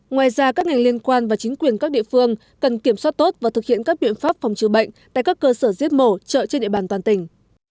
ngoài ra các ngành liên quan và chính quyền các địa phương cần kiểm soát tốt và thực hiện các biện pháp phòng trừ bệnh tại các cơ sở giết mổ chợ trên địa bàn toàn tỉnh